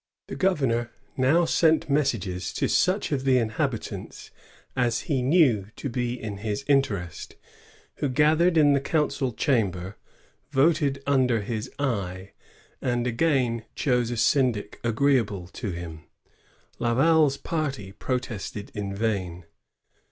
The governor now sent messages to such of the inhabitants as he knew to be in his interest,, who gathered in the council chamber, voted under his eye, and again chose a syndic agreeable to him. Laval's parfy protested in vain.